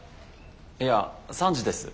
いや３時です。